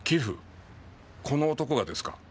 この男がですか？